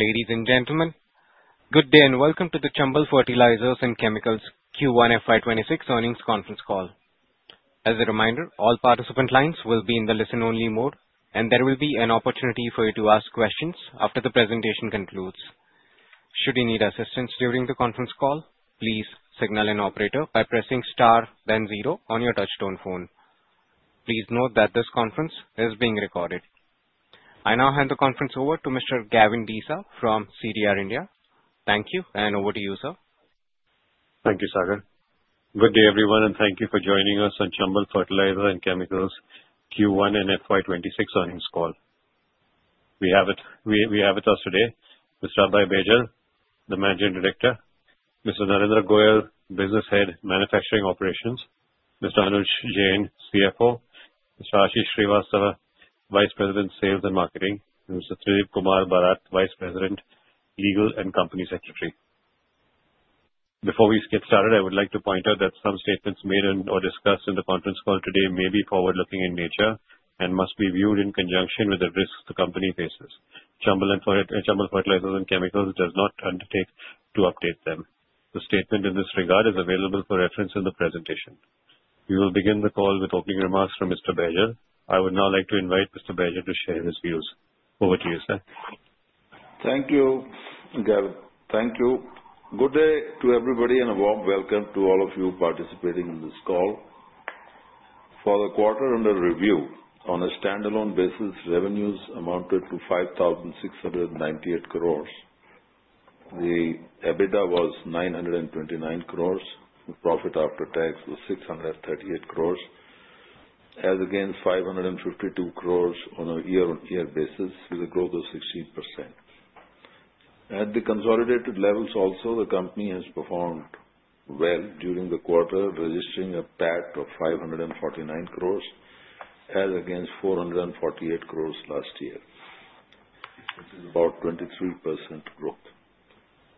Ladies and gentlemen, good day and welcome to the Chambal Fertilisers and Chemicals Ltd Q1 FY26 earnings conference call. As a reminder, all participant lines will be in the listen-only mode and there will be an opportunity for you to ask questions after the presentation concludes. Should you need assistance during the conference call, please signal an operator by pressing star then zero on your touch-tone phone. Please note that this conference is being recorded. I now hand the conference over to Mr. Gavin Deesa from CDR India. Thank you, and over to you, sir. Thank you, Sagar. Good day everyone and thank you for joining us on Chambal Fertilisers and Chemicals Ltd Q1 and FY26 earnings call. We have with us today Mr. Abhay Baijal, the Managing Director, Mr. Narendra Goyal, Business Head, Manufacturing Operations, Mr. Anuj Jain, CFO, and Mr. Ashish Srivastava, Vice President, Sales and Marketing. Mr. Tridib Barat, Vice President, Legal and Company Secretary. Before we get started, I would like to point out that some statements made or discussed in the conference call today may be forward looking in nature and must be viewed in conjunction with the risks the company faces. Chambal Fertilisers and Chemicals Ltd does not undertake to update them. The statement in this regard is available for reference in the presentation. We will begin the call with opening remarks from Mr. Baijal. I would now like to invite Mr. Baijal to share his views. Over to you, sir. Thank you, Gav. Thank you. Good day to everybody and a warm welcome to all of you participating in this call. For the quarter under review on a standalone basis, revenues amounted to 5,698 crore. EBITDA was 929 crore. Profit after tax was 638 crore as against 552 crore on a year-on-year basis with a growth of 16% at the consolidated level. Also, the company has performed well during the quarter registering a PAT of 549 crore as against 448 crore last year. This is about 23% growth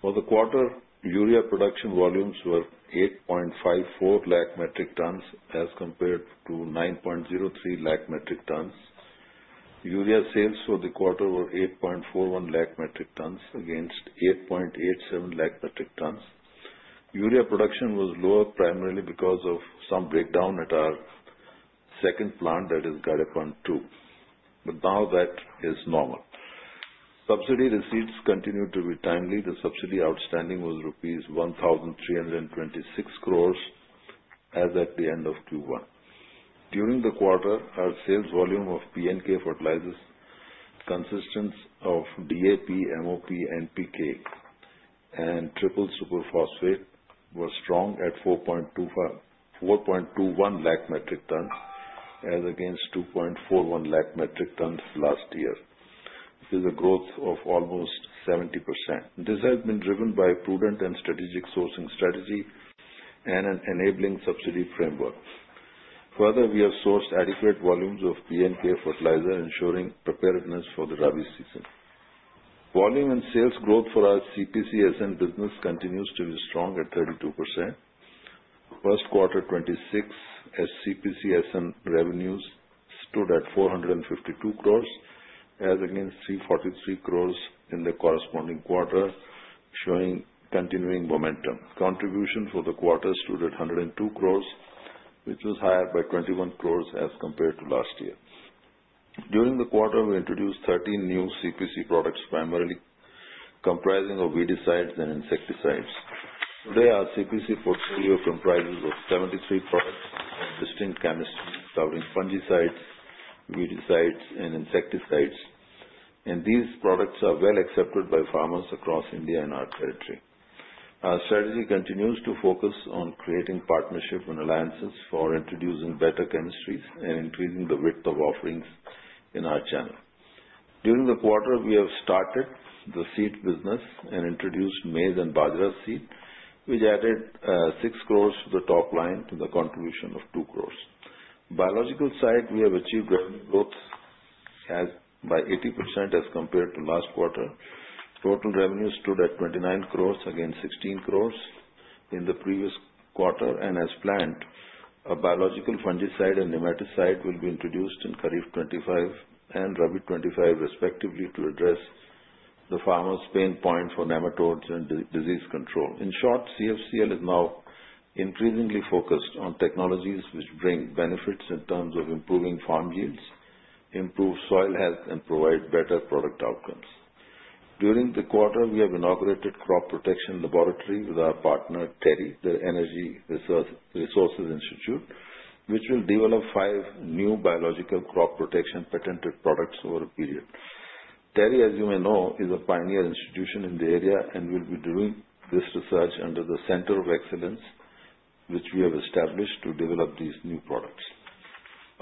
for the quarter. Urea production volumes were 8.54 lakh metric tons as compared to 9.03 lakh metric tons. Urea sales for the quarter were 8.41 lakh metric tons against 8.87 lakh metric tons. Urea production was lower primarily because of some breakdown at our second plant that is Gadepan 2. That is now normal. Subsidy receipts continue to be timely. The subsidy outstanding was rupees 1,326 crore as at the end of Q1. During the quarter, our sales volume of P&K fertilizers consisted of DAP, MOP, NPK, and triple superphosphate and was strong at 4.21 lakh metric tons as against 2.41 lakh metric tons last year with a growth of almost 70%. This has been driven by prudent and strategic sourcing strategy and an enabling subsidy framework. Further, we have sourced adequate volumes of P&K fertilizer ensuring preparedness for the Rabi season. Volume and sales growth for our CPC and SN business continues to be strong at 32%. First quarter FY26 CPC and SN revenues stood at 452 crore as against 343 crore in the corresponding quarter showing continuing momentum. Contribution for the quarter stood at 102 crore which was higher by 21 crore as compared to last year. During the quarter, we introduced 13 new CPC products primarily comprising of weedicides and insecticides. Today, our CPC portfolio comprises 73 products with distinct chemistry covering fungicides, weedicides, and insecticides, and these products are well accepted by farmers across India and our territory. Our strategy continues to focus on creating partnerships and alliances for introducing better chemistries and increasing the width of offerings in our channel. During the quarter, we have started the seed business and introduced maize and bajra seed which added 6 crore to the top line with a contribution of 2 crore. On the biologicals side, we have achieved revenue growth by 80% as compared to last quarter. Total revenue stood at 29 crores against 16 crores in the previous quarter and as planned a biological fungicide and nematicide will be introduced in Kharif 2025 and Rabi 2025 respectively to address the farmers' pain point for nematodes and disease control. In short, Chambal Fertilisers and Chemicals Ltd is now increasingly focused on technologies which bring benefits in terms of improving farm yields, improve soil health and provide better product outcomes. During the quarter we have inaugurated the Crop Protection Laboratory with our partner The Energy and Resources Institute (TERI), which will develop five new biological crop protection patented products over a period. TERI, as you may know, is a pioneer institution in the area and will be doing this research under the Center of Excellence which we have established to develop these new products.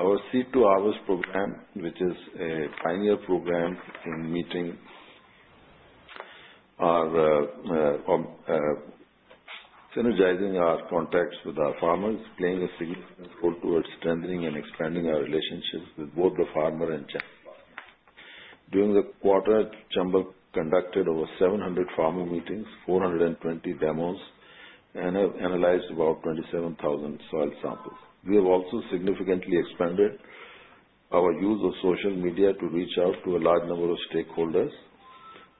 Our Seed to HOURS program, which is a pioneer program in synergizing our contacts with our farmers, is playing a significant role towards strengthening and expanding our relationships with both the farmer and channel partners. During the quarter Chambal conducted over 700 farmer meetings, 420 demos, and analyzed about 27,000 soil samples. We have also significantly expanded our use of social media to reach out to a large number of stakeholders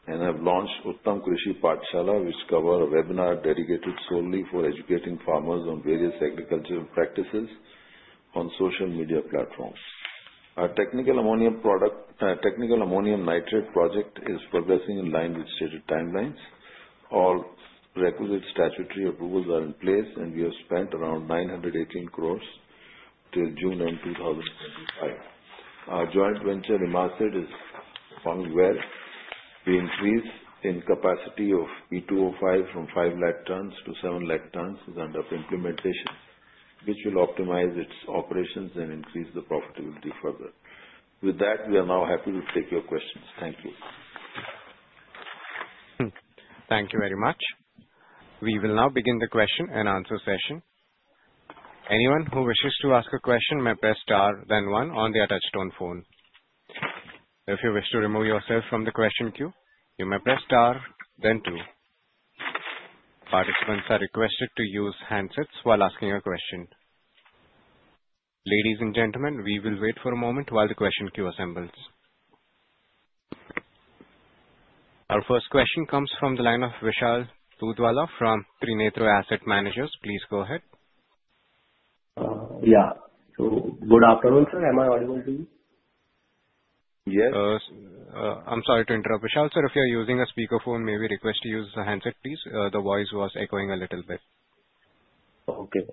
and have launched Uttam Krishi Pathshala, which covers a webinar dedicated solely for educating farmers on various agricultural practices on social media platforms. Our Technical Ammonium Nitrate project is progressing in line with stated timelines. All requisite statutory approvals are in place and we have spent around 918 crores till June 2025. Our joint venture IMACID is performing well. The increase in capacity of P2O5 from 500,000 tonnes to 700,000 tonnes is under implementation, which will optimize its operations and increase the profitability further. With that, we are now happy to take your questions. Thank you. Thank you very much. We will now begin the question and answer session. Anyone who wishes to ask a question may press Star then one on their touchstone phone. If you wish to remove yourself from the question queue, you may press Star then two. Participants are requested to use handsets while asking a question. Ladies and gentlemen, we will wait for a moment while the question queue assembles. Our first question comes from the line of Vishal from Trinetra Asset Managers. Please go ahead. Good afternoon, sir. Am I audible to you? Yes, I'm sorry to interrupt. Vishal sir, if you're using a speakerphone, maybe request to use a handset, please. The voice was echoing a little bit. Okay,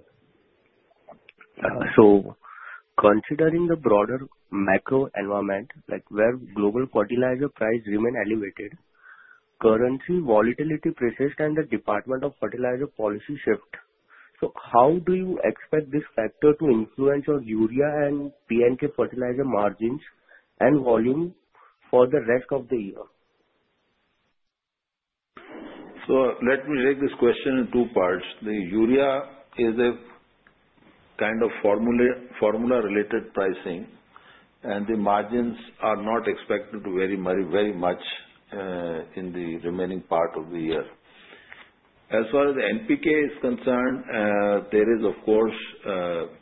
considering the broader macro environment where global fertilizer prices remain elevated, currency volatility persists, and the Department of Fertilizer policy shift, how do you expect this factor to influence your urea and P&K fertilizer margins and volume for the rest of the year? Let me take this question in two parts. The urea is a kind of formula-related pricing, and the margins are not expected to vary much in the remaining part of the year. As far as NPK is concerned,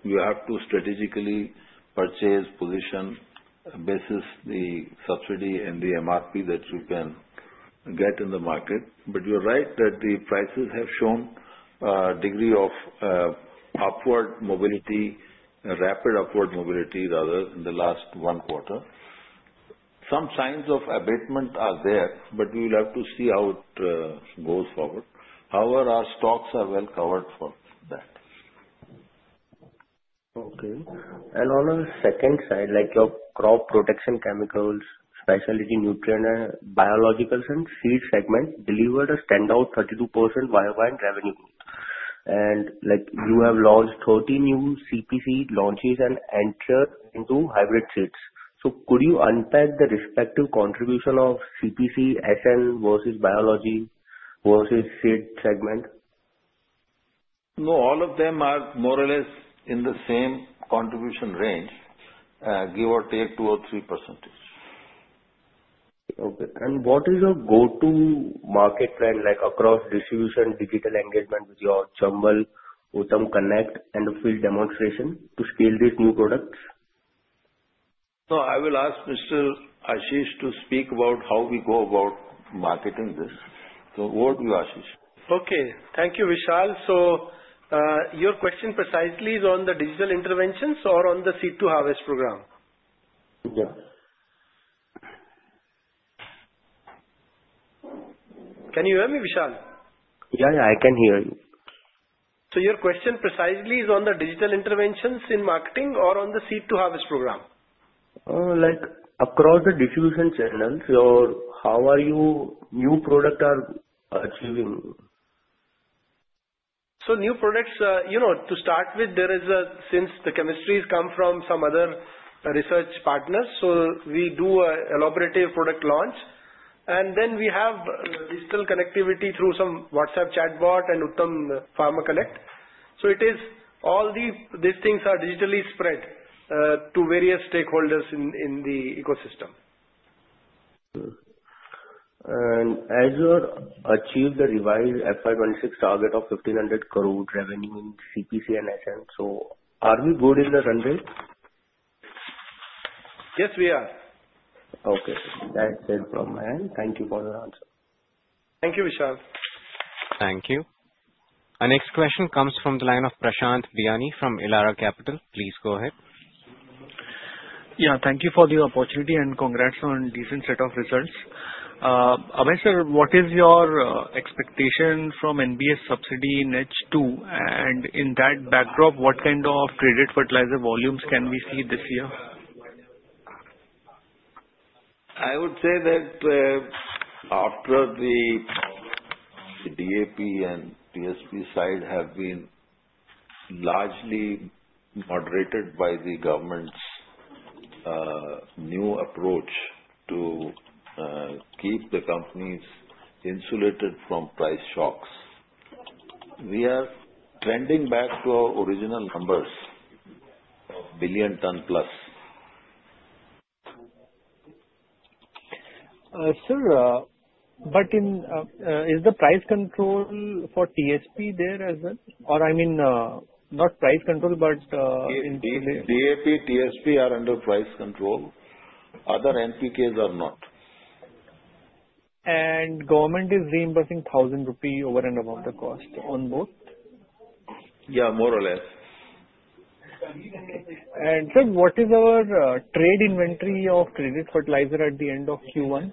you have to strategically purchase position, basis, the subsidy and the MRP that you can get in the market. You are right that the prices have shown a degree of upward mobility, rapid upward mobility rather, in the last quarter. Some signs of abatement are there, but we will have to see how it goes forward. However, our stocks are well covered for that. Okay, on a second side, your Crop Protection Chemicals, Specialty Nutrients, Biologicals, and Seed segment delivered a standout 32% year-on-year revenue, and you have launched 30 new CPC launches and entered into hybrid seeds. Could you unpack the respective contribution of CPC, SN versus Biologicals versus Seed segment? No, all of them are more or less in the same contribution range, give or take 2 or 3%. Okay. What is a go to market. Trend like across distribution, digital engagement which is our Jumble Connect and field demonstration. To scale these new products, I will ask Mr. Ashish to speak about how we go about marketing this. Over to you, Ashish. Okay, thank you Vishal. Is your question precisely on the digital interventions or on the seed to harvest program? Can you hear me, Vishal? Yeah, I can hear you. Your question precisely is on the digital interventions in marketing or on the. Seed to harvest program like across the. Diffusion channels, how are your new products achieving? New products? To start with, there is a, since the chemistry has come from some other research partners, we do an elaborate product launch and then we have digital connectivity through some WhatsApp chatbot and Uttam pharmaconnect. It is all these things are digitally spread to various stakeholders in the ecosystem. Can Abhay achieve the revised FY 2026 target of 1,500 crore revenue in CPC and SN? Are we good in the runway? Yes, we are. Okay, that's it from my end. Thank you for your answer. Thank you, Vishal. Thank you. Our next question comes from the line of Prashant Biani from Elara Capital. Please go ahead. Thank you for the opportunity and congrats on a decent set of results. Abhay sir, what is your expectation from NBS subsidy in H2, and in that backdrop, what kind of credit fertilizer volumes can we see this year? I would say that after the DAP and TSP side have been largely moderated by the government's new approach to keep the companies insulated from price shocks, we are trending back to our original numbers of billion ton plus. Sir, is the price control for TSP there as well? I mean, not price control but. DAP, TSP are under price control. Other NPKs are not. The government is reimbursing 1,000 rupee over and above the cost on both. Yeah, more or less. Sir, what is our trade inventory? Of credit fertilizer at the end of Q1.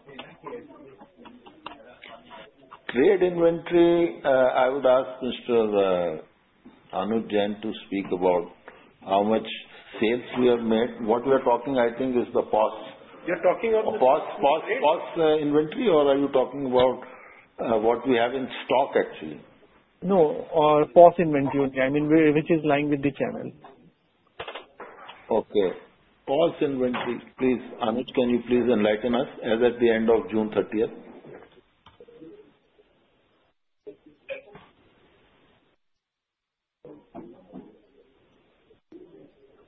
Trade inventory. I would ask Mr. Anuj Jain to speak about how much sales we have made. What we are talking, I think, is the cost. You're talking about inventory, or are you talking about what we have in stock? Actually, no pause inventory, I mean which is lying with the channel. Okay, cost inventory please. Anuj, can you please enlighten us as at the end of June 30.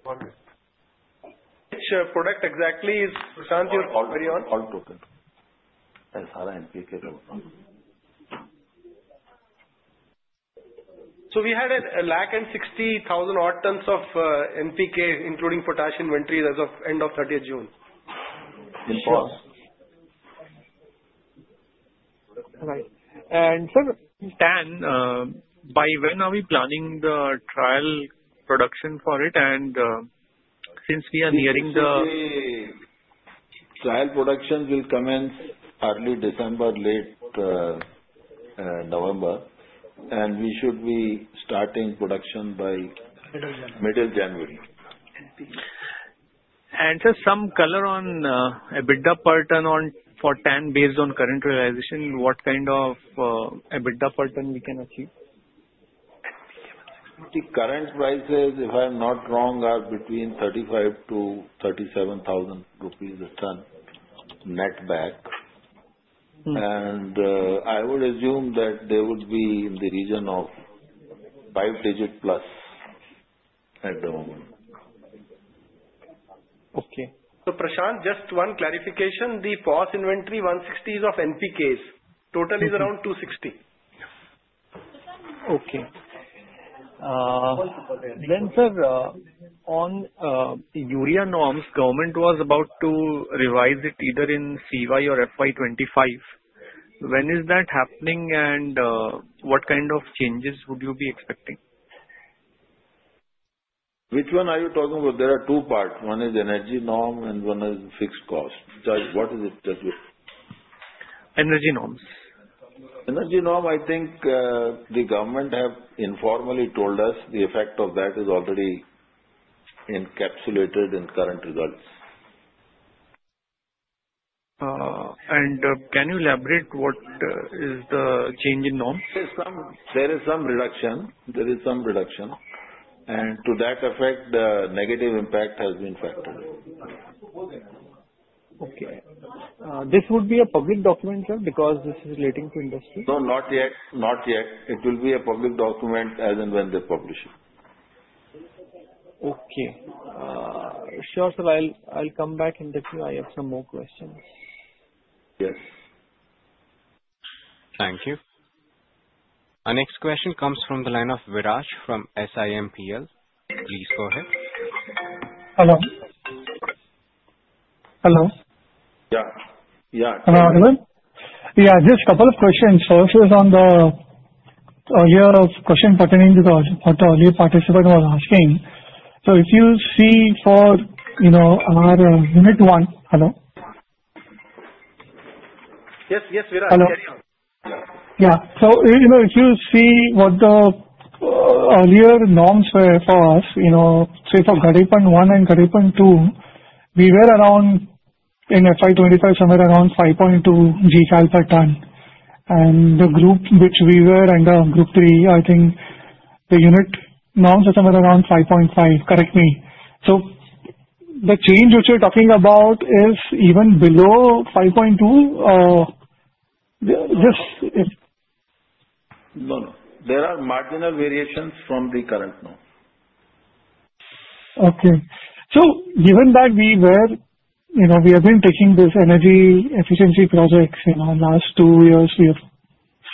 Which. Product exactly is Prashant your query on? We had 1.60 lakh tons of NPK including potash inventories as of end of 30 June. By when are we planning the trial production for it? Since we are nearing the trial. Production will commence early December, late November, and we should be starting production by middle January. you provide some color on EBITDA per ton for TAN based on current realization, what kind of EBITDA per ton we can achieve? The current prices, if I am not wrong, are between 35,000 to 37,000 rupees a ton net back. I would assume that they would be in the region of five digit plus at the moment. Okay, so Prashant, just one clarification. The POS inventory 160 is of NPKs. Total is around 260. Okay then sir, on urea energy norms, government was about to revise it either in CY or FY 2025. When is that happening and what kind of changes would you be expecting? Which one are you talking about? There are two parts. One is energy norm and one is fixed cost. What is it? Energy norms. Energy norm. I think the government have informally told us the effect of that is already encapsulated in current results. Can you elaborate what is the change in norms? There is some reduction, and to that effect, the negative impact has been factored. Okay. This would be a public document, sir, because this is leading to industry. No, not yet. Not yet. It will be a public document as and when they publish it. Okay, sure sir, I'll come back if I have some more questions. Yes. Thank you. Our next question comes from the line of Viraj from Simplify. Please go ahead. Hello. Hello. Yeah. Yeah. Hello everyone. Yeah, just a couple of questions focused on the year of question pertaining because what early participant was asking. If you see for, you know, our unit one. Hello. Yes. Yes, hello. Yeah. If you see what the earlier norms were for us, say for Gadepan 1 and Gadepan 2, we were around in FY2025 somewhere around 5.2 gcal per ton. The group which we were under, Group 3, I think the unit now is somewhere around 5.5. Correct me. The change which you're talking about is even below 5.2. No. There are marginal variations from the current. No. Okay. Given that we have been taking these energy efficiency projects, the last two years we have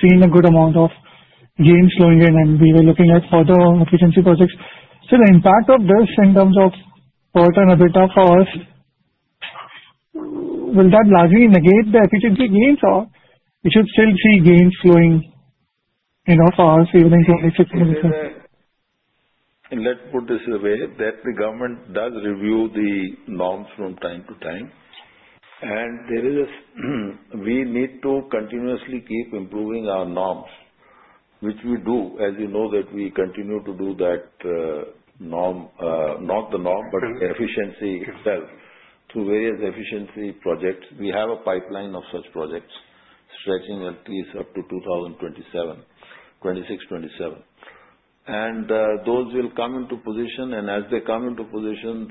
seen a good amount of gains flowing in and we were looking at further efficiency projects. The impact of this in terms of port and EBITDA cost, will that largely negate the efficiency gains or should we still see gains flowing in our 2026 numbers? Let's put it this way, the government does review the norms from time to time. We need to continuously keep improving our norms, which we do, as you know, that we continue to do that, not the norm, but efficiency itself through various efficiency projects. We have a pipeline of such projects stretching at least up to 2026, 2027. Those will come into position and as they come into position,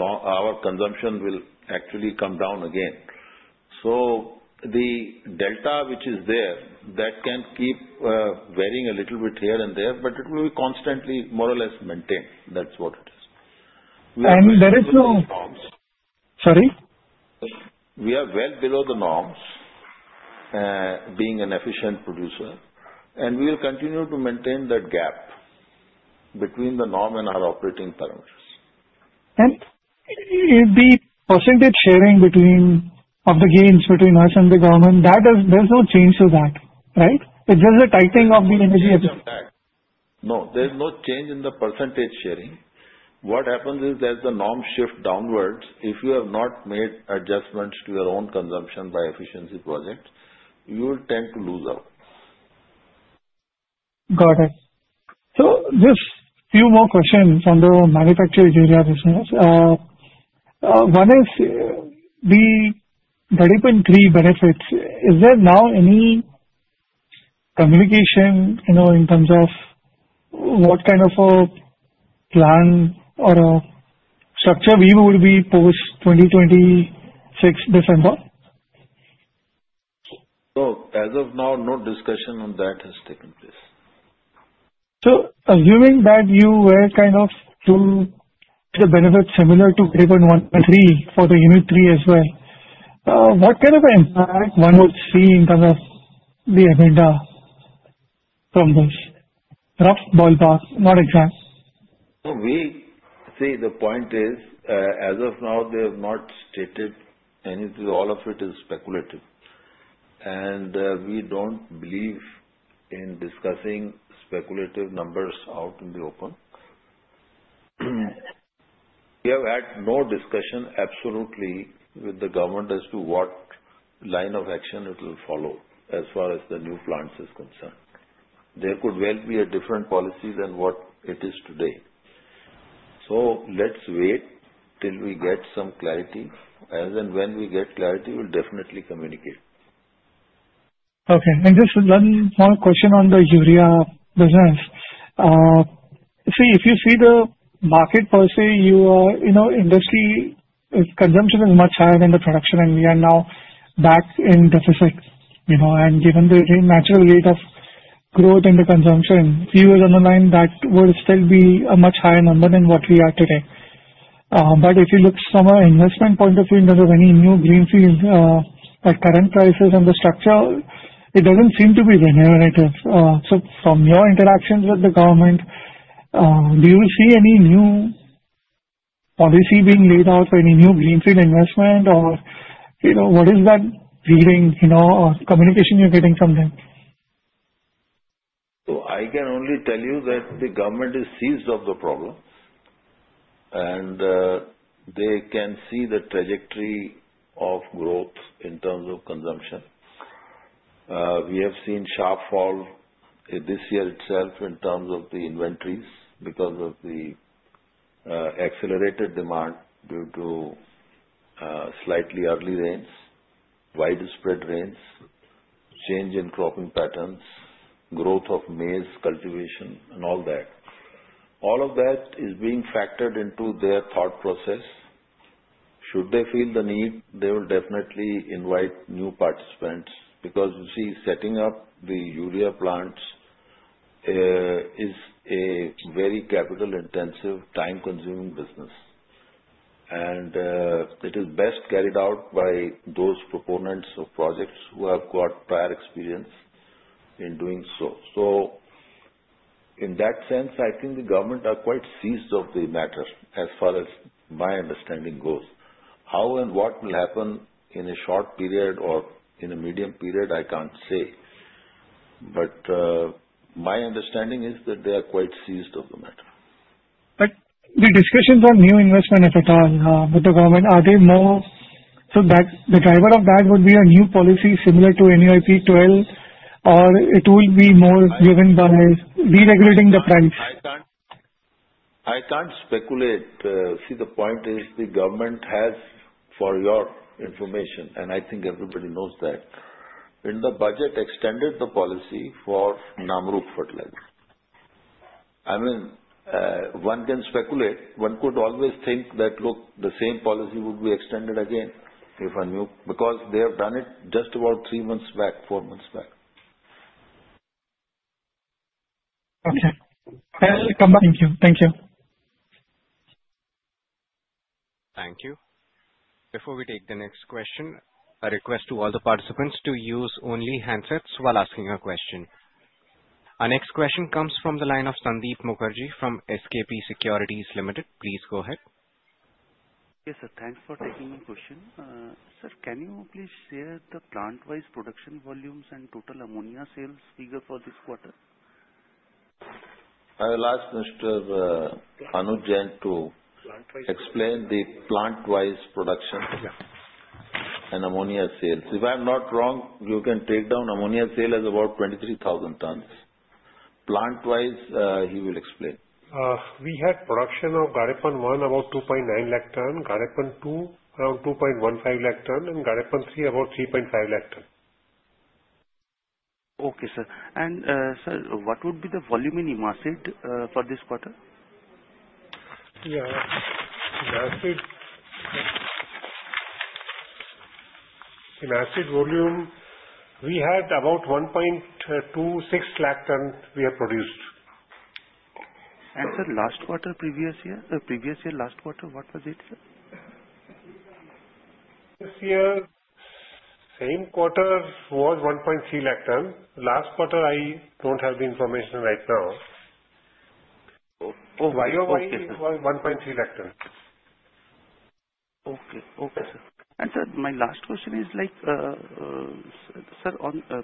our consumption will actually come down again. The delta which is there can keep varying a little bit here and there, but it will be constantly more or less maintained. That's what it is. There is no, sorry. We are well below the norms, being an efficient producer, and we will continue to maintain that gap between the norm and our operating parameters. The percentage sharing of the gains between us and the government, that is, there's no change to that, right? It's just a tightening of the energy efficiency. No, there's no change in the % sharing. What happens is as the norm shift downwards, if you have not made adjustments to your own consumption by efficiency projects, you will tend to lose out. Got it. Just a few more questions on the manufacturing area business. One is the 30.3% benefits. Is there now any communication, you know, in terms of what kind of a plan or a structure we would be post December 2026. As of now, no discussion on that has taken place. Assuming that you were kind of soon the benefit similar to paper 13 for the unit 3 as well, what kind of impact one would see in terms of the agenda from those rough ballparks? Not exact. We see. The point is, as of now, they have not stated anything. All of it is speculative, and we don't believe in discussing speculative numbers out in the open. We have had no discussion absolutely with the government as to what line of action it will follow. As far as the new plants are concerned, there could well be a different policy than what it is today. Let's wait till we get some clarity. As and when we get clarity, we'll definitely communicate. Okay. Just one more question on the urea business. If you see the market per se, you know, industry consumption is much higher than the production and we are now back in deficit, you know, and given the natural rate of growth in the consumption a few years on the line, that would still be a much higher number than what we are today. If you look from an investment point of view in terms of any new greenfield at current prices and the structure, it doesn't seem to be generative. From your interactions with the government, do you see any new policy being laid out for any new greenfield investment? What is that feeling, you know, or communication you're getting from them? I can only tell you that the government is seized of the problem and they can see the trajectory of growth in terms of consumption. We have seen a sharp fall this year itself in terms of the inventories because of the accelerated demand due to slightly early rains, widespread rains, change in cropping patterns, growth of maize cultivation and all that. All of that is being factored into their thought process. Should they feel the need, they will definitely invite new participants. You see, setting up the urea plants is a very capital intensive, time consuming business and it is best carried out by those proponents of projects who have got prior experience in doing so. In that sense, I think the government are quite seized of the matter. As far as my understanding goes, how and what will happen in a short period or in a medium period, I can't say. My understanding is that they are quite seized of the matter. Are the discussions on new investment, if at all with the government, more so that the driver of that would be a new policy similar to NIP12, or will it be more driven by deregulating the front? I can't speculate. See, the point is the government has, for your information and I think everybody knows, that in the budget extended the policy for urea. I mean, one can speculate, one could always think that, look, the same policy would be extended again if a new, because they have done it just about three months back, four months back. Okay, thank you. Thank you. Thank you. Before we take the next question, I request all the participants to use only handsets while asking a question. Our next question comes from the line of Sandeep Mukherjee from SKP Securities Ltd. Please go ahead. Yes, sir. Thanks for taking the question. Sir, can you please share the plant wise production volumes and total ammonia sales figure for this quarter? I will ask Mr. Anuj Jain to explain the plant wise production and ammonia sales. If I am not wrong, you can take down ammonia sale as about 23,000 tons plant wise. He will explain we had production of Gadepan 1 about 2.9 lakh ton, Gadepan 2 around 2.15 lakh ton, and Gadepan 3 about 3.5 lakh ton. Okay, sir. Sir, what would be the volume in IMACID for this quarter? IMACID volume, we had about 1.26 lakh ton which have produced. Last quarter, previous year. Previous year, last quarter. What was it? This year? Same quarter was 130,000 last quarter. I don't have the information right now. INR 130,000. Okay. Okay, sir. My last question is,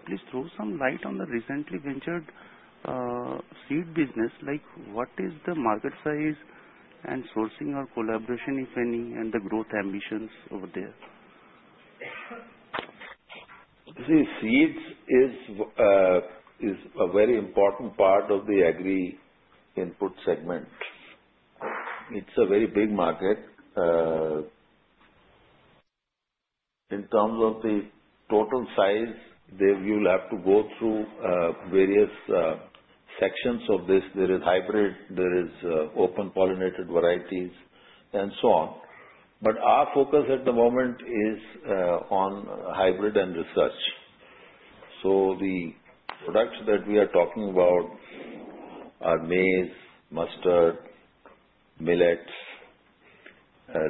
please throw some light on the recently ventured seed business. What is the market size and sourcing or collaboration, if any, and the growth ambitions over there. See, seeds is a very important part of the agri input segment. It's a very big market in terms of the total size. You will have to go through various sections of this. There is hybrid, there is open pollinated varieties and so on. Our focus at the moment is on hybrid and research. The products that we are talking about are maize, mustard, millets,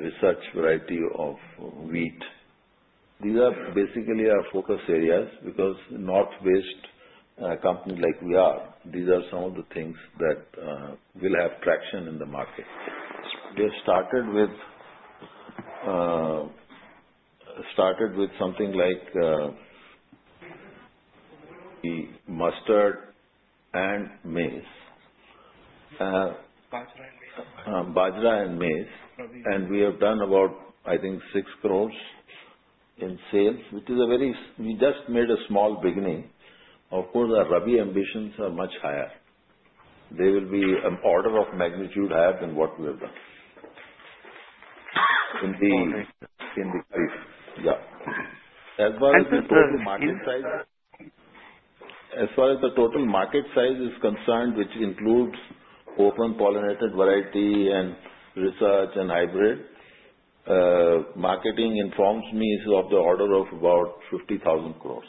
research, variety of wheat. These are basically our focus areas. Because northwest companies like we are, these are some of the things that will have traction in the market. We have started with something like mustard and maize, bajra and maize. We have done about 6 crore in sales, which is a very small beginning. Of course, our Ravi ambitions are much higher. They will be an order of magnitude higher than what we have done, as well as market size. As far as the total market size is concerned, which includes open pollinated variety and research, hybrid marketing informs me of the order of about 50,000 crore.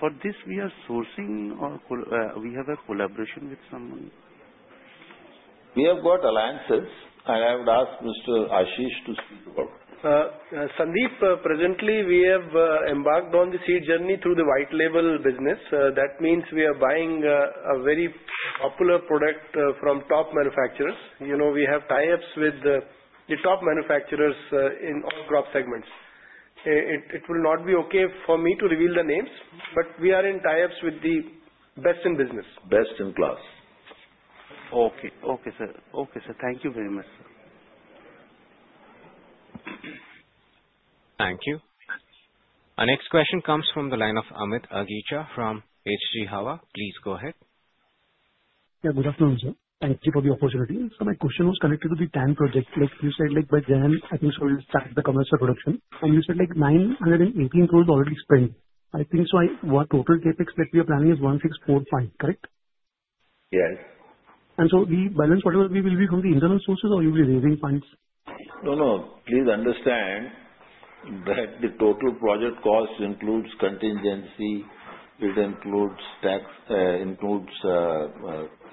For this, sir, are we sourcing or do we have a collaboration with someone? We have got alliances. I would ask Mr. Ashish to speak about Sandeep. Presently we have embarked on the seed journey through the white label business. That means we are buying a very popular product from top manufacturers. You know we have tie ups with the top manufacturers in all crop segments. It will not be okay for me to reveal the names, but we are in tie ups with the best in. Business, best in class. Okay. Okay, sir. Thank you very much, sir. Thank you. Our next question comes from the line of Amit Agija from HG Hawa. Please go ahead. Yeah. Good afternoon sir. Thank you for the opportunity. My question was connected to the TAN project like you said. By January, I think, we'll start the commercial production and you said 918 crore already spent. I think so. What total capex that we are planning is 1,645 million. Correct? Yes. The balance, whatever we will be from the internal sources or you will be raising funds. No, no. Please understand that the total project cost includes contingency, tax,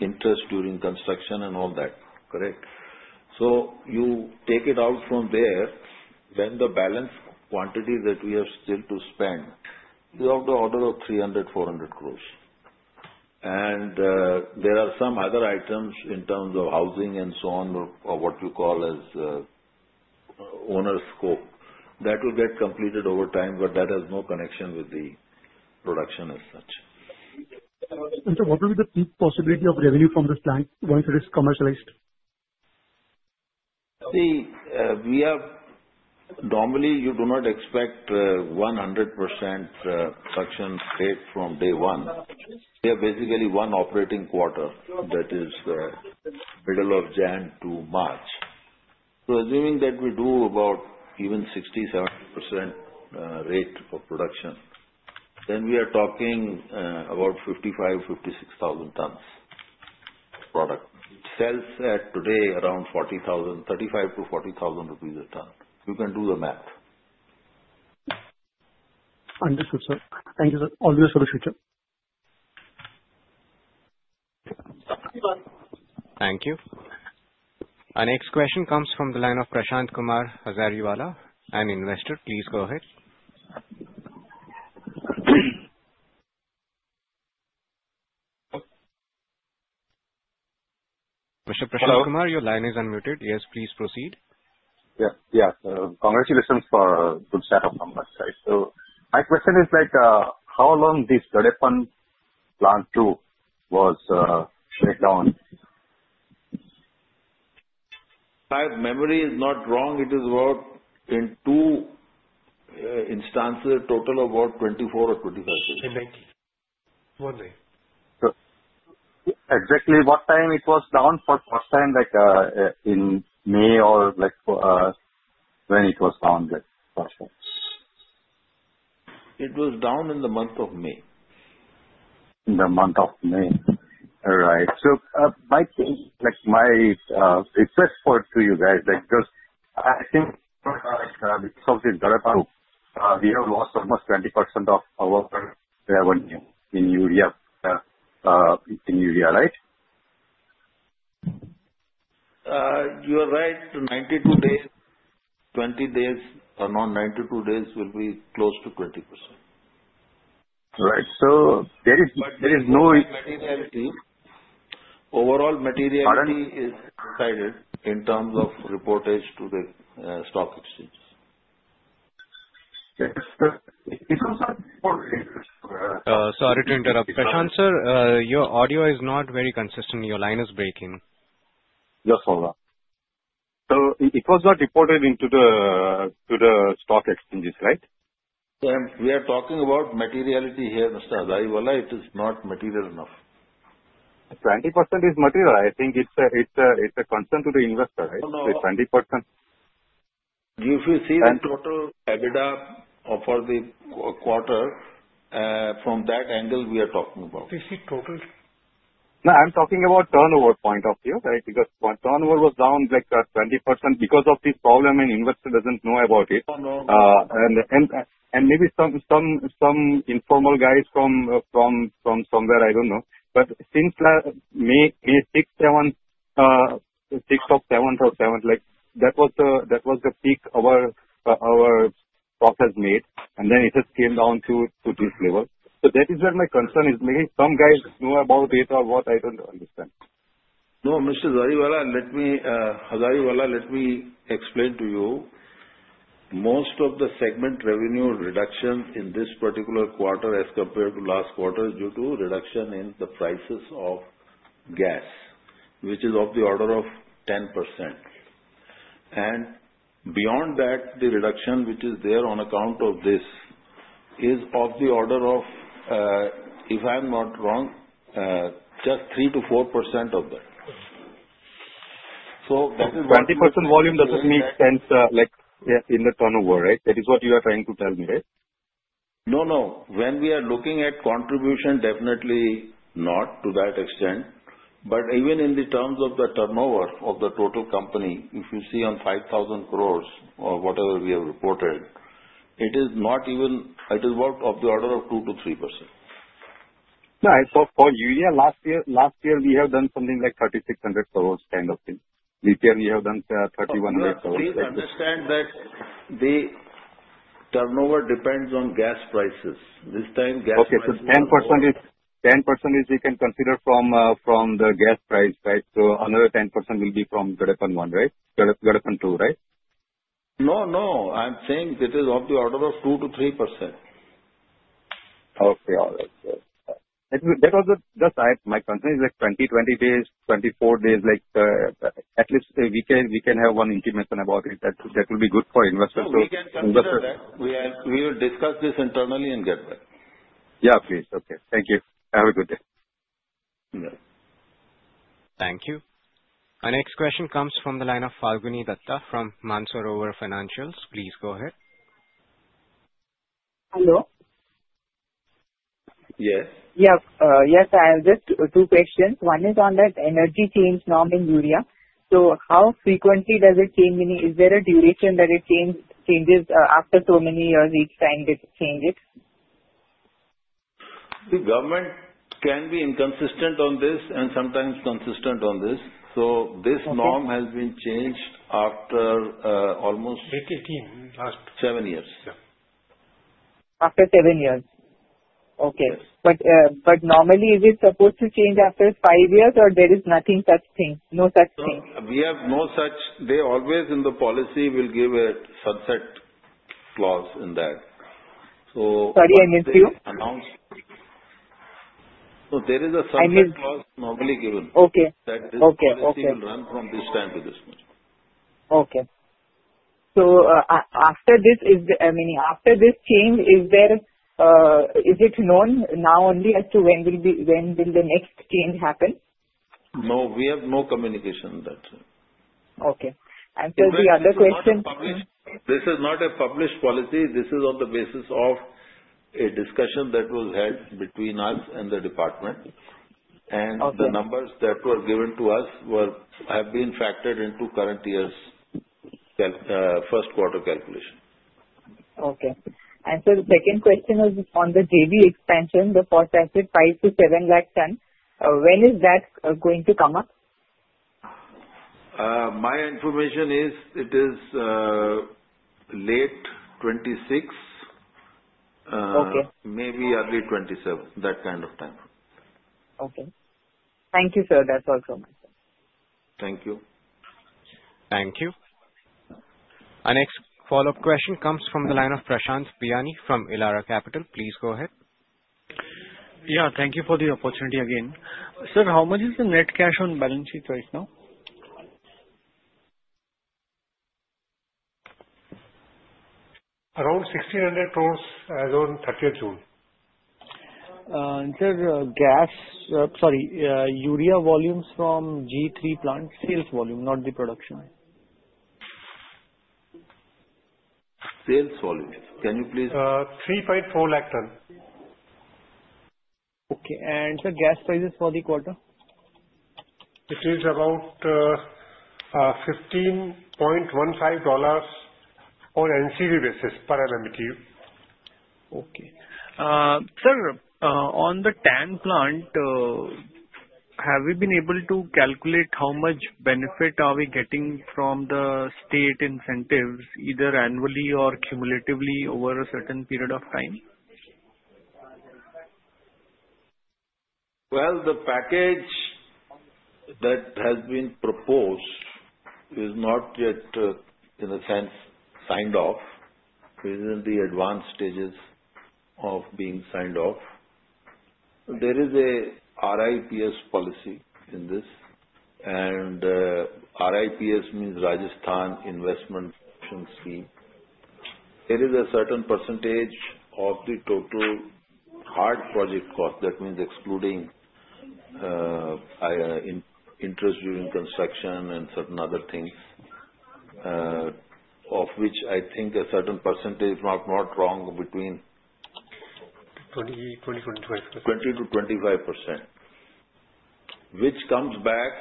interest during construction, and all that. Correct. You take it out from there. The balance quantity that we have still to spend is of the order of 300 to 400 crore, and there are some other items in terms of housing and so on, or what you call as owner scope. That will get completed over time. That has no connection with the production as such. What will be the peak possibility of revenue from this plant once it is commercialized? See, we have. Normally you do not expect 100% production rate from day one. We have basically one operating quarter that is middle of January to March. Assuming that we do about even 67% rate of production, then we are talking about 5.556 million tons product. It sells at today around 35,000 rupees to 40,000 rupees. You can do the math. Understood, sir. Thank you, sir. Always for the future. Thank you. Our next question comes from the line of Prashant Kumar Azariwala, an investor. Please go ahead. Mr. Prashant Kumar, your line is unmuted. Yes, please proceed. Yeah, yeah. Congratulations for good setup from that side. My question is like how long this Gadepan 2 plant was shut down. my memory is not wrong, it is about, in two instances, total about 24 or 25. Exactly what time it was down for first time like in May or like when it was found. It was down in the month of May. The month of May, right. My request for you guys. I think. We have lost almost 20% of our revenue in urea in India, right? You are right. 92 days. 20 days or not, 92 days will be close to 20%. Right. There is. There is no overall material is decided in terms of reportage to the stock exchanges. Sorry to interrupt. Prashant sir, your audio is not very consistent. Your line is breaking. Yes. It was not reported to the stock exchanges, right? We are talking about materiality here. It is not material enough. 20% is material. I think it's a concern to the investor, right? 20%. If you see the total EBITDA for the quarter from that angle, we are. Talking about, is it total? No, I'm talking about turnover point of view, right. Because turnover was down like 20% because of this problem. Investor doesn't know about it. Maybe some informal guys from somewhere, I don't know. Since May, 676 of 7,700 like that was the peak our stock has made, and then it has come down to this level. That is where my concern is. Maybe some guys know about data or what, I don't understand. No. Mr. Zariwala, let me explain to you. Most of the segment revenue reductions in this particular quarter as compared to last quarter are due to reduction in the prices of gas, which is of the order of 10%. Beyond that, the reduction which is there on account of this is of the order of, if I'm not wrong, just 3 to 4% of that. That is 20% volume. Doesn't make sense like in the ton of war, right? That is what you are trying to tell me, right? No, no. When we are looking at contribution, definitely not to that extent. Even in terms of the turnover of the total company, if you see on 5,000 crore or whatever we have reported, it is not even. It is about of the order of. 2 to 3% for you. Last year we have done something like 3,600 crore kind of thing. We have done 3,100 crore. Please understand that the turnover depends on gas prices this time. Okay. 10% is. 10% is. You can consider from the gas price, right? Another 10% will be from Japan 1, right? I'm saying it is of the order of 2 to 3%. Okay. My concern is like 20, 20 days, 24 days. At least we can have one intimation about it. That will be good for investors. will check internally and get back. Yeah, please. Okay. Thank you. Have a good day. Thank you. Our next question comes from the line of Falguni Dutta from Mansour over Financials. Please go ahead. Hello. Yes. Yeah. Yes. I have just two questions. One is on that energy change norm in urea. How frequently does it change? Is there a duration that it changes after so many years each time they change it? The government can be inconsistent on this and sometimes consistent on this. This norm has been changed after almost 18, last seven years. After seven years. Okay. Normally, is it supposed to change after five years or is there nothing such thing? No such thing. We have no such. They always in the policy will give it sunset clause in that. Sorry I missed you. There is a normally given. Okay. That this will run from this time to this. Okay. After this change, is it known now only as to when will be, when will the next change happen? No, we have no communication on that. Okay. Until the other question. This is not a published policy. This is on the basis of a discussion that was had between us and the department. The numbers that were given to us have been factored into current year's first quarter calculation. Okay. The second question is on the JV expansion. The phosphoric acid 5 to 7 lakh tonne. When is that going to come up? My information is it is late 2026, maybe early 2027. That kind of time. Okay, thank you sir. That's all from. Thank you. Thank you. Our next follow-up question comes from the line of Prashant Biani from Elara Capital. Please go ahead. Thank you for the opportunity again. Sir, how much is the net cash on balance sheet right now? Around 1,600 crore as on 30 June. Urea volumes from G3 Plant sales volume, not the production. Sales volumes. Can you please. 3.4 lakh tons. Okay. are the gas prices for the quarter? It is about $15.15 on NCV basis per LMTU. Okay, sir. On the TAN plant, have we been able to calculate how much benefit are we getting from the state incentives either annually or cumulatively over a certain period of time? The package that has been proposed is not yet in a sense signed off. It is in the advanced stages of being signed off. There is a RIPS policy in this and RIPS means Rajasthan Investment. There is a certain % of the total hard project cost. That means excluding interest during construction and certain other things of which I think a certain %, not, not wrong, between 20%, 20%, 25%, 20% to 25% which comes back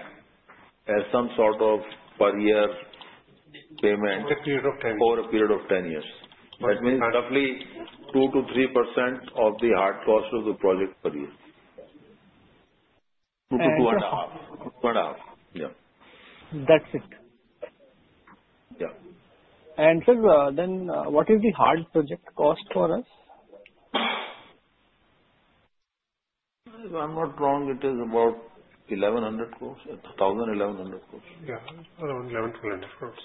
as some sort of per year payment over a period of 10 years. That means roughly 2% to 3% of the hard cost of the project per year. Two to two and a half. Yeah, that's it. Yeah. What is the hard project cost for us? If I'm not wrong, it is about 1.1 billion. 1.1 billion? Yeah. Around 11,000 crore.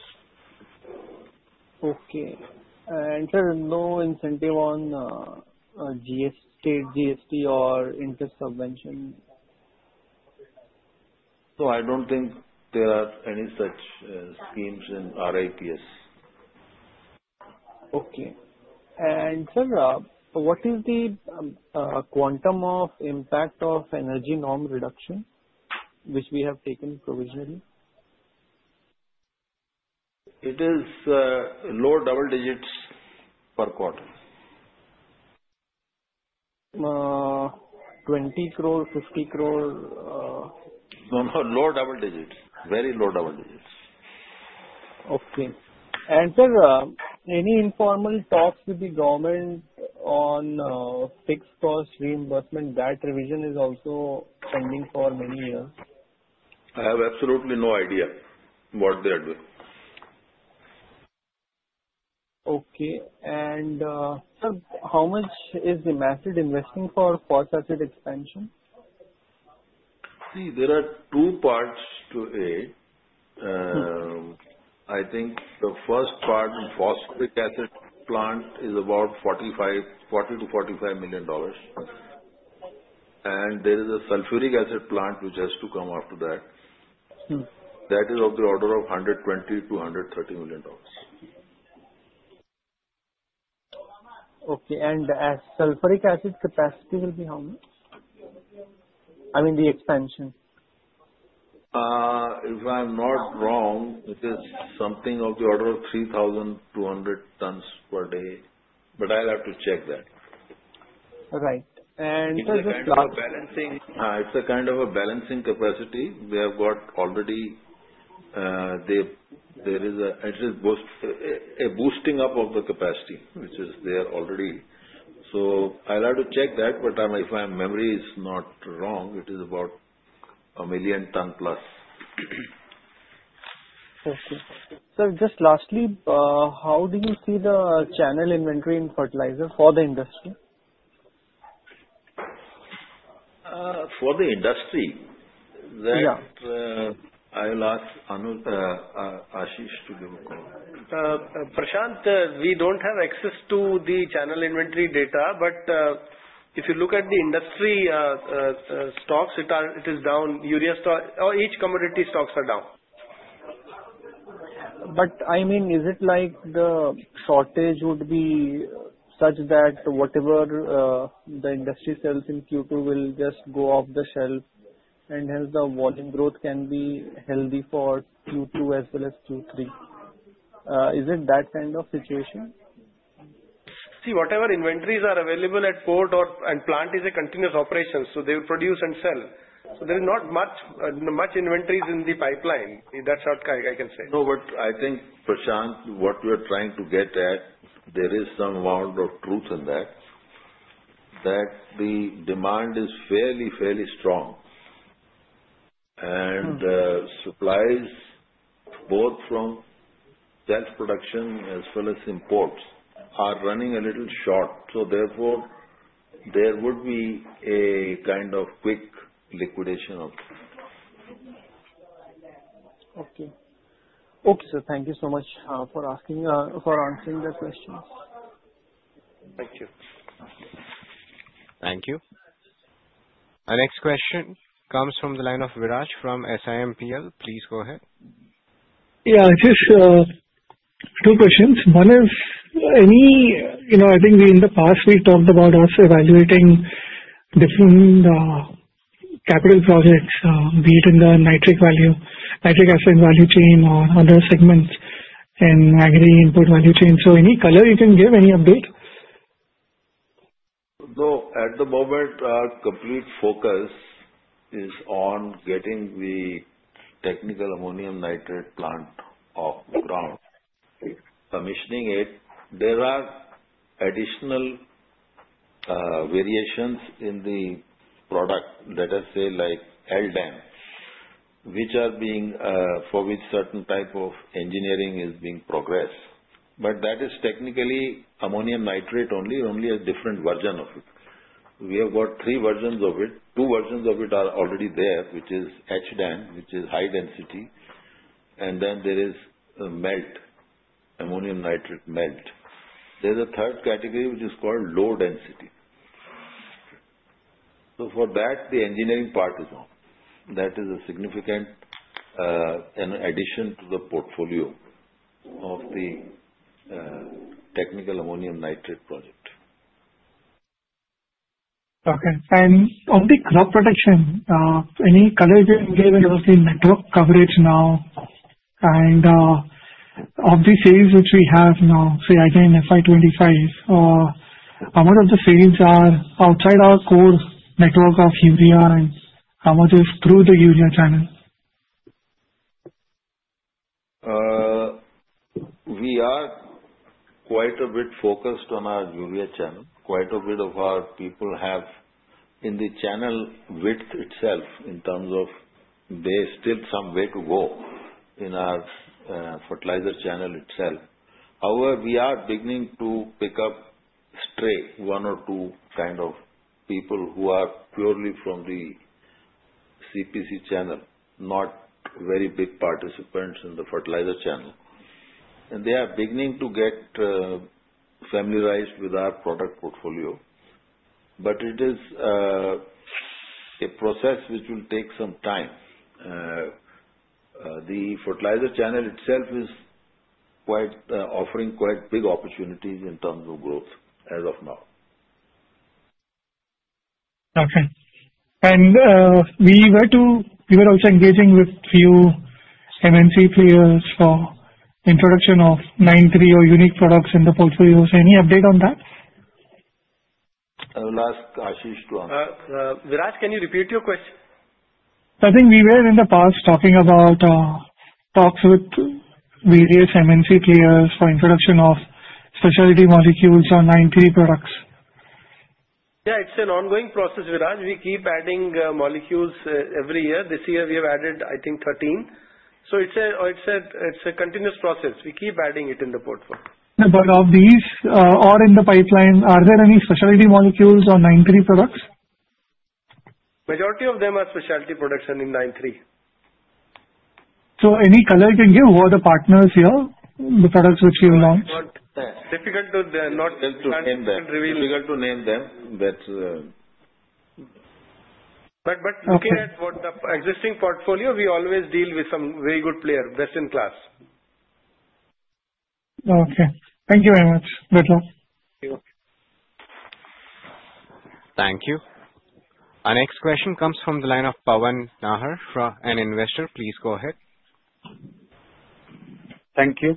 Okay. Sir, no incentive on GST, GST or interest subvention. I don't think there are any such schemes in RIPs. Okay. Sir, what is the quantum of impact of energy norm reduction which we have taken provisionally? It is low double digits per quarter. 20 crore? INR 50 crore. No, low double digits. Very low double digits. Okay. there any informal talks with the government on fixed cost reimbursement? That revision is also pending for many years. I have absolutely no idea what they are doing. Okay. How much is the massive investing for such an expansion? See, there are two parts to it. I think the first part in the phosphoric acid plant is about $40 to $45 million. There is a sulfuric acid plant which has to come after that. That is of the order of $120 to $130 million. Okay. Sulphuric acid capacity will be how much? I mean the expansion. If I'm not wrong, it is something of the order of 3,200 tons per day. I'll have to check that. Right. It's a kind of a balancing capacity we have got already. There is a boosting up of the capacity which is there already. I'll have to check that. If my memory is not wrong, it is about a million ton plus. Sir, just lastly, how do you see the channel inventory in fertilizer for the industry? For the industry, I will ask Ashish to give. Prashant, we don't have access to the channel inventory data. If you look at the industry stocks, it is down. Urea stock, each commodity stock is down. I mean, is it like the shortage would be such that whatever the industry sells in Q2 will just go off the shelf, and hence the volume growth can be healthy for Q2 as well as Q3? Is it that kind of situation? See, whatever inventories are available at port or at plant is a continuous operation. They will produce and sell, so there is not much inventories in the pipeline. That's how I can say no. I think, Prashant, what we are trying to get at there is some world of truth in that. The demand is fairly, fairly strong. Strong. Supplies both from gas production as well as imports are running a little short. Therefore, there would be a kind of quick liquidation of. Okay. Okay. Sir, thank you so much for asking, for answering the questions. Thank you. Thank you. Our next question comes from the line of Viraj from Simpl. Please go ahead. Yeah, just two questions. One is, I think in the past we talked about us evaluating different capital projects, be it in the nitric acid value chain or other segments and agri input value chain. Any color you can give? Any update? No. At the moment our complete focus is on getting the Technical Ammonium Nitrate plant off ground, commissioning it. There are additional variations in the product, let us say like LDAN, which are being, for which certain type of engineering is being progressed. That is Technical Ammonium Nitrate only, only a different version of it. We have got three versions of it. Two versions of it are already there, which is HDAN, which is high density, and then there is melt, Ammonium Nitrate melt. There is a third category, which is called low density. For that, the engineering part is on. That is a significant addition to the portfolio of the Technical Ammonium Nitrate project. Okay. On the crop protection, any color you give network coverage now and of the sales which we have now, say again FY25, or how much of the sales are outside our core network of urea and how much is through the urea channel. We are quite a bit focused on our urea channel. Quite a bit of our people have in the channel width itself. In terms of, there is still some way to go in our fertilizer channel itself. However, we are beginning to pick up stray one or two kind of people who are purely from the CPC channel, not very big participants in the fertilizer channel, and they are beginning to get familiarized with our product portfolio. It is a process which will take some time. The fertilizer channel itself is offering quite big opportunities in terms of growth as of now. Okay. We were also engaging with a few MNC players for introduction of nine, three or unique products in the portfolio. Any update on that? I will ask Ashish to answer. Viraj, can you repeat your question? I think we were in the past talking about talks with various MNC players for introduction of specialty molecules on 9, 3 products. Yeah, it's an ongoing process, Viraj. We keep adding molecules every year. This year we have added, I think, 13. It's a continuous process. We keep adding it in the portfolio. Of these or in the pipeline, are there any specialty molecules on 9, 3 products? Majority of them are specialty production in line 3. Can you give any color? Who are the partners here? The products which you launch. Difficult to not name them. To name them. Looking at what the existing portfolio, we always deal with some very good player. Best in class. Okay, thank you very much. Thank you. Our next question comes from the line of Pawan Nahar, an investor. Please go ahead. Thank you.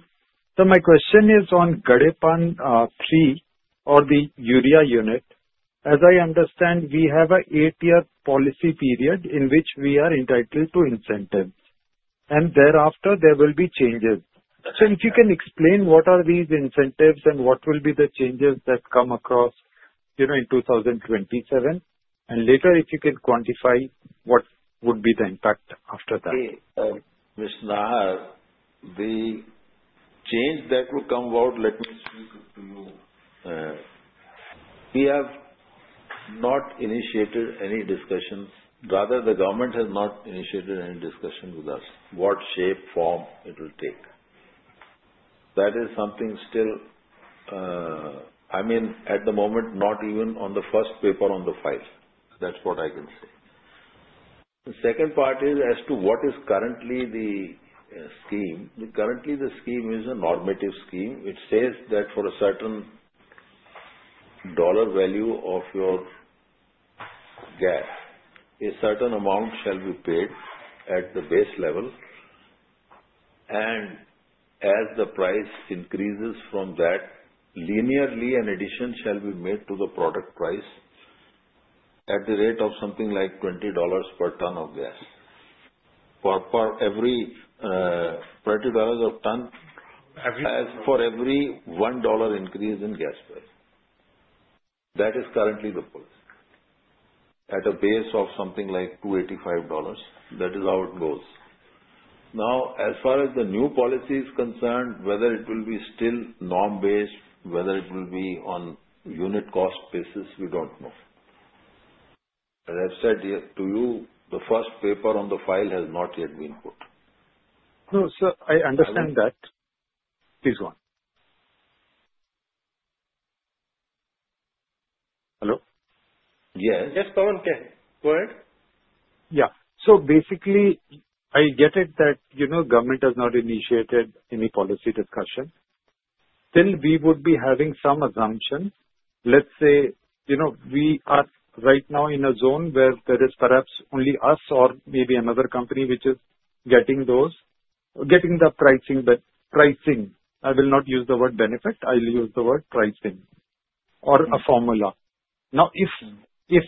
My question is on Gadepan 3 or the urea unit. As I understand, we have an eight-year policy period in which we are entitled to incentives, and thereafter there will be changes. If you can explain what are. These incentives and what will be the changes that come across, you know, in 2027 and later. If you can quantify what would be. The impact after that, Mr. Nahar, the change that will come about. Let me speak to you. We have not initiated any discussion rather the government has not initiated. Initiated any discussion with us what shape form it will take. That Is something still, I mean at the moment not even on the first paper on the file, that's what I can say. The second part is as to what is currently the scheme. Currently the scheme is a normative scheme. It says that for a certain dollar value of your gas a certain amount shall be paid at the base level and as the price increases from that linearly, an addition shall be made to the product price at the rate of something like $20 per ton of gas. For every $20 of ton as for every $1 increase in gas price that is currently the policy at a base of something like $285. That is how it goes. Now as far as the new policy is concerned, whether it will be still norm based, whether it will be on unit cost basis, we don't know. As I've said here to you, the first paper on the file has not yet been put. No sir, I understand that. Please go on. Hello? Yeah, just come on, go ahead. Yeah, basically I get it that, you know, government has not initiated any policy discussion. Still, we would be having some assumptions. Let's say, you know, we are right now in a zone where there is perhaps only us or maybe another company which is getting the pricing. I will not use the word benefit, I will use the word pricing or a formula. Now, if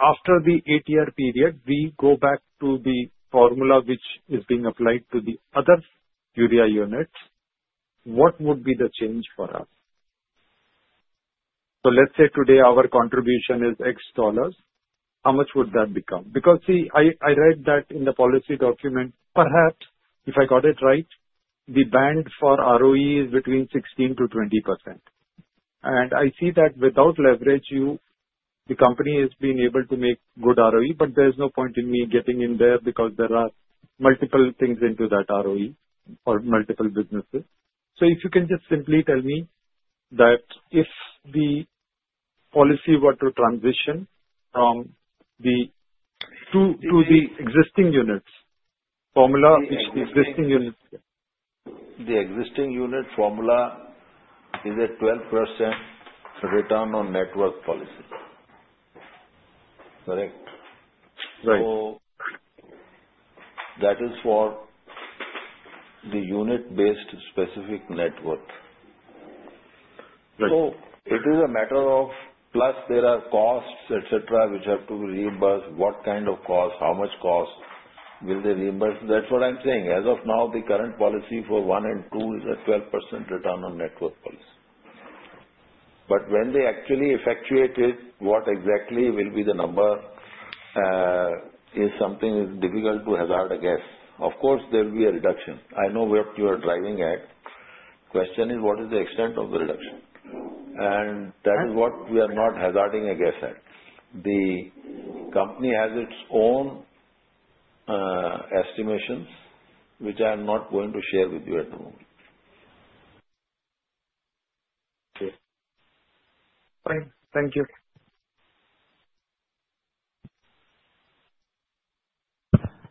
after the eight year period we go back to the formula which is being applied to the other Urea units, what would be the change for us? Let's say today our contribution is X dollars, how much would that become? Because I read that in the policy document. Perhaps if I got it right, the band for ROE is between 16% to 20% and I see that without leverage, the company has been able to make good ROE. There's no point in me getting in there because there are multiple things into that ROE or multiple businesses. If you can just simply tell me that if the policy were to transition to the existing units formula which the existing units. The existing unit formula is a 12% return on net worth policy, correct? Right. So. That is for the unit-based specific net worth. It is a matter of plus there are costs, etc., which have to reimburse. What kind of cost? How much cost will they reimburse? That's what I'm saying. As of now, the current policy for 1 and 2 is a 12% return on net worth policy. When they actually effectuated, what exactly will be the number is something difficult to hazard a guess. Of course, there will be a reduction. I know what you are driving at. The question is what is the extent of the reduction, and that is what we are not hazarding a guess at. The company has its own estimations, which I am not going to share with you at the moment. Fine. Thank you.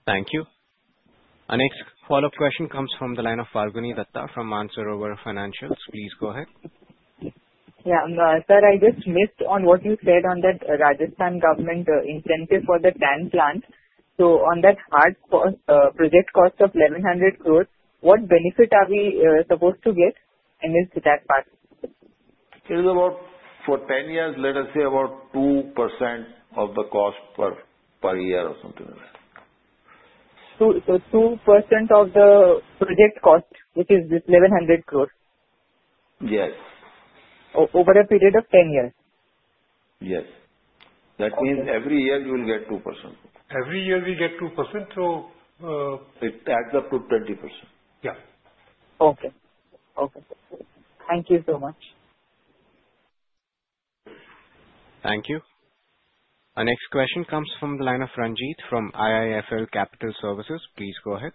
Thank you. Our next follow-up question comes from the line of Falguni Dutta from Answerover Financials. Please go ahead. Yeah, sir, I just missed on what you said on that Rajasthan government incentive for the TAN plant. On that hard project cost of 1,100 crore, what benefit are we supposed to get? That part is about for 10 years. Let us say about 2% of the cost per year or something like that. 2% of the project cost, which is this 1,100 crore. Yes. Over a period of 10 years. Yes, that means every year you will get 2%. Every year we get 2%. It adds up to 20%. Yeah. Okay. Thank you so much. Thank you. Our next question comes from the line of Ranjith from IIFL Capital Services. Please go ahead.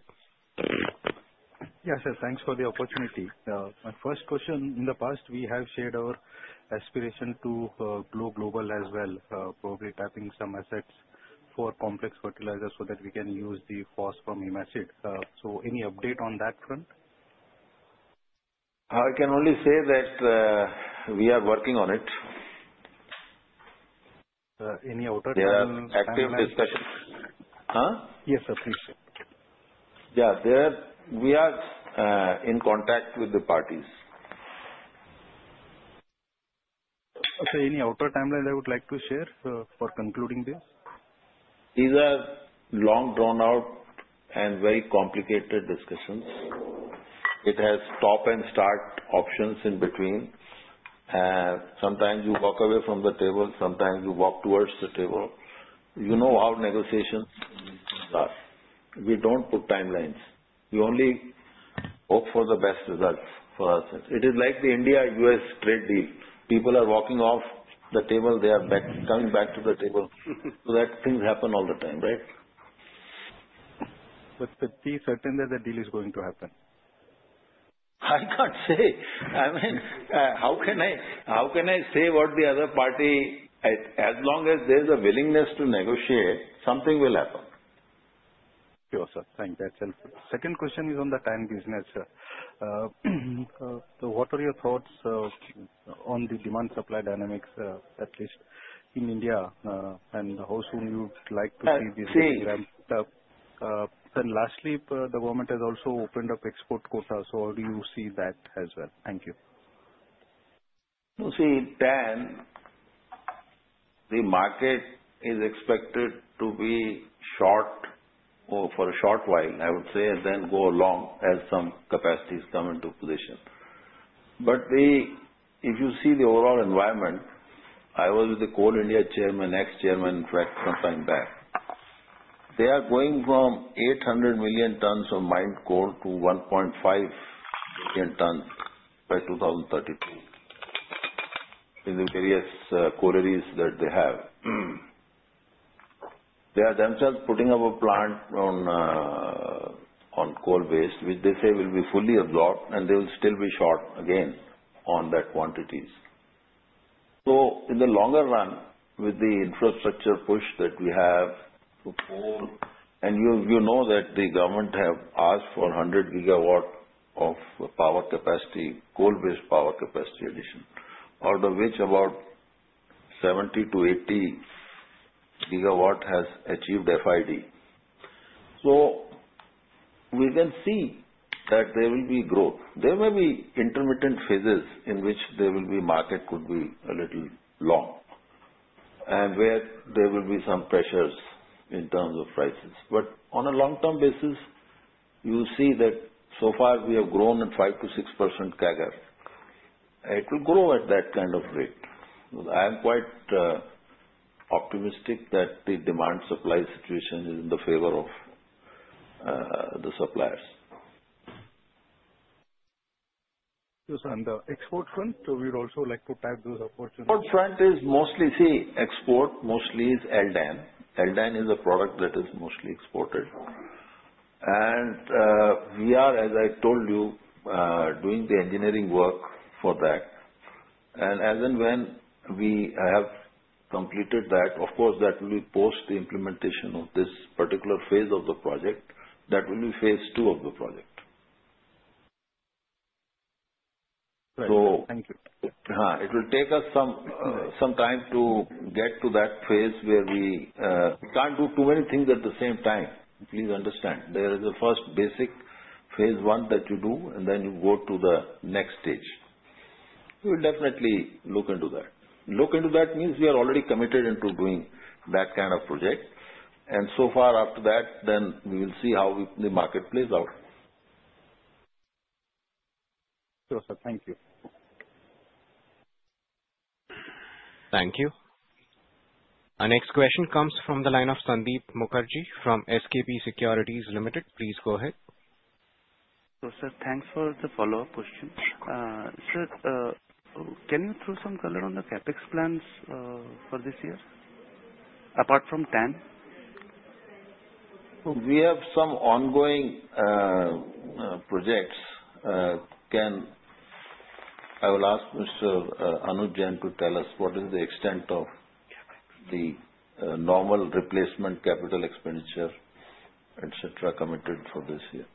Yes sir, thanks for the opportunity. My first question. In the past, we have shared our. Aspiration to go global as well. Probably tapping some assets for complex fertilizer so that we can use the force from IMACID. Any update on that front? I can only say that we are working on it. Any other active discussion? Yes sir, please. Yeah. We are in contact with the parties. Any outer timeline I would like to share. Concluding this. These are long, drawn-out and very complicated discussions. It has stop and start options in between. Sometimes you walk away from the table, sometimes you walk towards the table. You know how negotiations are. We don't put timelines. We only hope for the best results. For us it is like the India-U.S. trade deal. People are walking off the table. They are back, coming back to the table. That things happen all the time. Right. is pretty certain that the deal is going to happen. I can't say. How can I say what the other party, as long as there's a willingness to negotiate, something will happen. Yes sir. Thank you. That second question is on the TAN business. What are your thoughts on the demand supply dynamics at least in India, and how soon you'd like to see this ramped up? Lastly, the government has also opened up export quota. How do you see that as well? Thank you. See Dan, the market is expected to be short for a short while, I would say, and then go along as some capacities come into position. If you see the overall environment, I was with the Coal India Chairman, Ex Chairman in fact, sometime back. They are going from 800 million tons of mined coal to 1.5 billion tons by 2032 in the various quarries that they have. They are themselves putting up a plant on coal waste, which they say will be fully absorbed, and they will still be short again on those quantities. In the longer run, with the infrastructure push that we have, and you know that the government has asked for 100 gigawatt of power capacity, coal-based power capacity addition, out of which about 70 to 80 gigawatt has achieved FID. We can see that there will be growth. There may be intermittent phases in which the market could be a little long and where there will be some pressures in terms of prices. On a long-term basis, you see that so far we have grown at 5 to 6% CAGR. It will grow at that kind of rate. I am quite optimistic that the demand-supply situation is in the favor of the suppliers. Yes. On the export front, we would also like to tag those opportunities. Export front is mostly, see, export mostly is Aldan. Aldan is a product that is mostly exported, and we are, as I told you, doing the engineering work for that. As and when we have completed that, of course, that will be post the implementation of this particular phase of the project. That will be phase two of the project. Thank you. It will take us some time to get to that phase where we can't do too many things at the same time. Please understand there is a first basic phase one that you do, and then you go to the next stage. We will definitely look into that. Look into that means we are already committed into doing that kind of project. So far after that, then we will see how the market plays out. Sure sir. Thank you. Thank you. Our next question comes from the line of Sandeep Mukherjee from SKP Securities Limited. Please go ahead, sir. Thanks for the follow up question. Sir, can you throw some color on the capex plans for this year? Apart from TAN. We have some ongoing projects. Can I ask Mr. Anuj Jain to tell us what is the extent of the normal replacement capital expenditure, etc., committed for this year?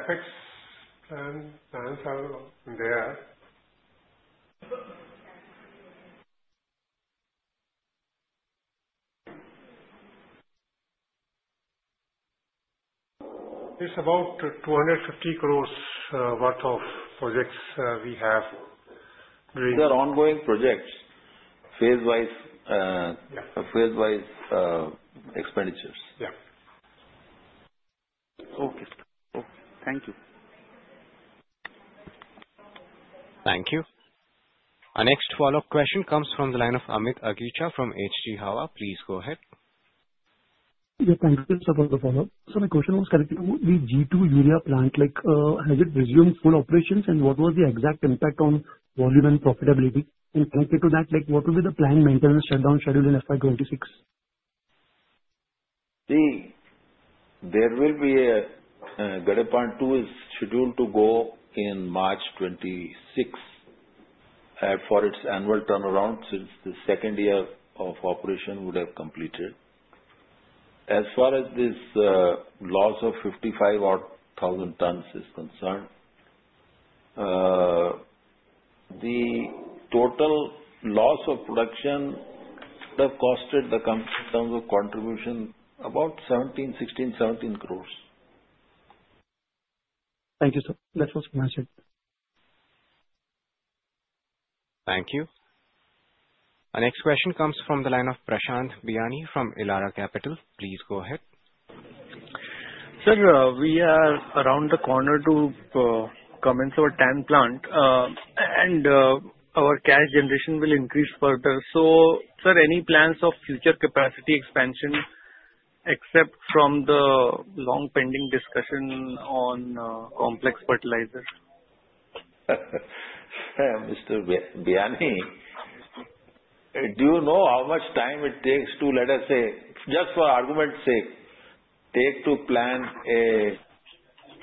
Hello. Normal capex plans are there. It's about 250 crore worth of projects we have. These are ongoing projects, phase-wise expenditures. Thank you. Thank you. Our next follow-up question comes from the line of Amit Agicha from HG Hawa. Please go ahead. Thank you sir for the follow up. My question was correct. The Gadepan 2 urea plant, has it resumed full operations and what was the exact impact on volume and profitability? Connected to that, what will be the planned maintenance shutdown schedule in FY2026? The GAN2 is scheduled to go in March 2026 for its annual turnaround since the second year of operation would have completed. As far as this loss of 55,000 tons is concerned, the total loss of production has costed the company in terms of contribution about 1,716-1,717 crores. Thank you, sir. That was my. Thank you. Our next question comes from the line of Prashant Biani from Ilara Capital. Please go ahead, sir. We are around the corner to commence our TAN plant, and our cash generation will increase further. Sir, any plans of future capacity expansion except from the long pending discussion on complex fertilizer? Mr. Biani, do you know how much time it takes to, let us say just for argument's sake, take to plan a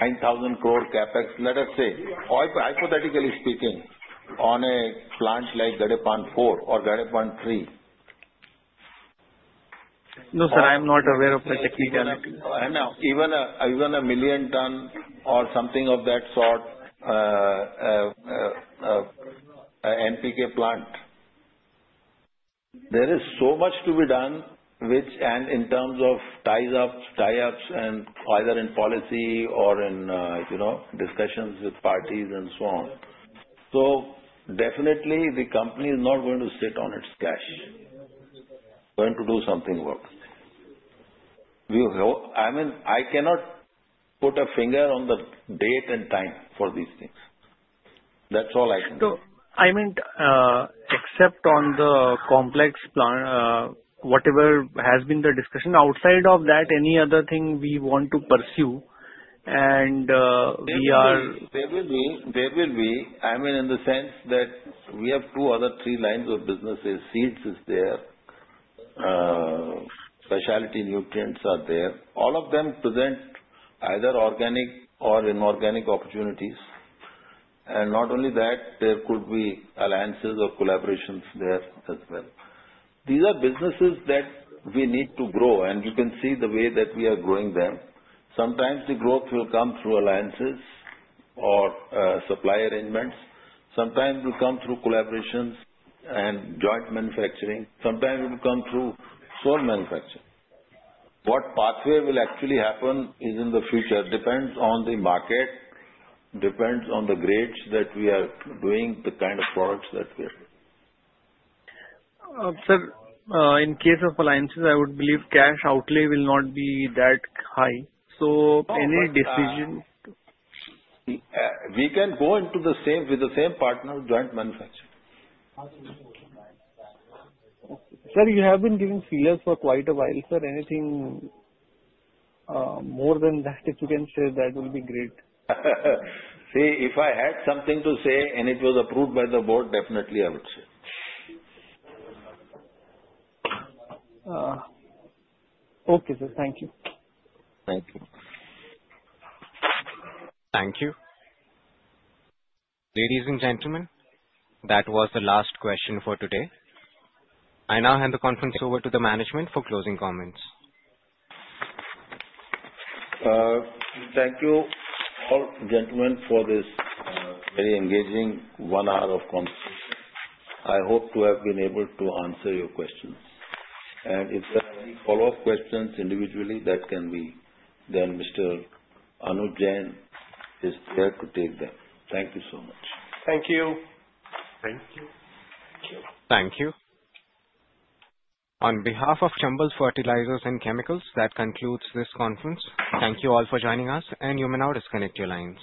9,000 crore capex? Let us say hypothetically speaking on a plant like Gadepan 4 or Gadepan 3. No sir, I am not aware of. The technique, even a million ton or something of that sort of NPK plant, there is so much to be done in terms of tie ups and either in policy or in discussions with parties and so on. The company is not going to sit on its cash, going to do something, work. I mean, I cannot put a finger on the date and time for these things. That's all I can do. I mean except on the complex plan, whatever has been the discussion outside of that, any other thing we want to pursue, and we are there will be. I mean in the sense that we have two or three lines of businesses. Seeds is there, Specialty Nutrients are there. All of them present either organic or inorganic opportunities. Not only that, there could be alliances or collaborations there as well. These are businesses that we need to grow and you can see the way that we are growing them. Sometimes the growth will come through alliances or supply arrangements. Sometimes it will come through collaborations and joint manufacturing. Sometimes it will come through sole manufacturing. What pathway will actually happen in the future depends on the market. It depends on the grades that we are doing, the kind of products that we are doing. Sir, in case of alliances I would believe cash outlay will not be that high. Any decision. We can go into the same with the same partner joint manufacturing. Sir, you have been giving feelers for quite a while. Sir, anything more than that, if you can say, that will be great. If I had something to say and it was approved by the board, definitely I would say. Okay, sir. Thank you. Thank you. Thank you. Ladies and gentlemen, that was the last question for today. I now hand the conference over to the management for closing comments. Thank you all gentlemen for this very engaging one hour of conversation. I hope to have been able to answer your questions, and if there are any follow up questions individually that can be, then Mr. Anuj Jain is there to take them. Thank you so much. Thank you. Thank you. Thank you on behalf of Chambal Fertilisers and Chemicals Ltd. That concludes this conference. Thank you all for joining us. You may now disconnect your lines.